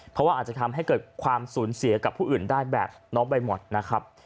เพราะว่าอาจจะทำให้เกิดความสูญเสียกับผู้อื่นได้แบบน้องใบหมดนะครับ